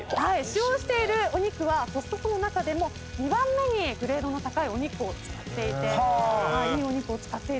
使用しているお肉はコストコの中でも２番目にグレードの高いお肉を使っていていいお肉を使っているんです。